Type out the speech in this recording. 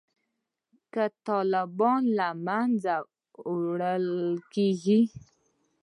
که طالبان له منځه وړل کیږي